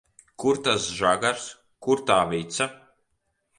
Kur tas žagars, kur tā vica?